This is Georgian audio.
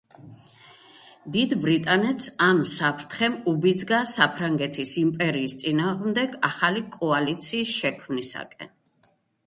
დიდ ბრიტანეთს ამ საფრთხემ უბიძგა საფრანგეთის იმპერიის წინააღმდეგ ახალი კოალიციის შექმნისკენ.